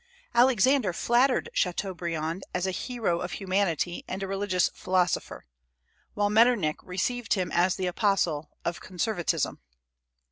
Alexander flattered Chateaubriand as a hero of humanity and a religious philosopher; while Metternich received him as the apostle of conservatism.